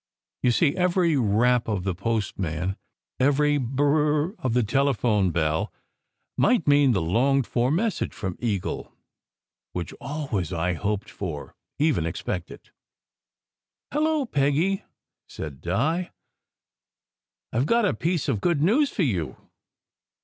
You see, every rap of the postman, every b b bur r r of the telephone bell, might mean the longed for message from Eagle which always I hoped for, even expected !" Hello, Peggy !" said Di. " I ve got a piece of good news for you."